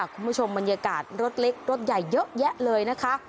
คุณผู้ชมบรรยากาศรถเล็กรถใหญ่เยอะแยะเลยนะคะ